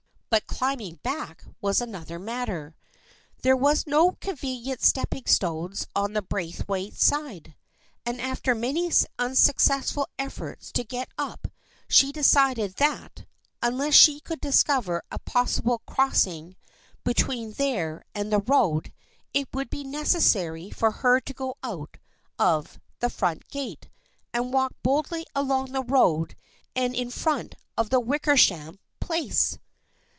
But climbing back was another matter. There were no convenient stepping stones on the Braith waite side, and after many unsuccessful efforts to get up she decided that, unless she could discover a possible crossing between there and the road, it would be necessary for her to go out of the front gate and walk boldly along the road and in at the 90 THE FRIENDSHIP OF ANNE front of the Wickersham place.